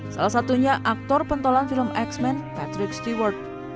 salah satunya aktor pentolan film x men patrick steward